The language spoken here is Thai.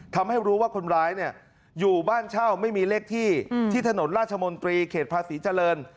ทำให้รู้ว่าคนร้ายเนี่ยอยู่บ้านเช่าไม่มีเลขที่ที่ถนนราชมนตรีเขตภาษีเจริญ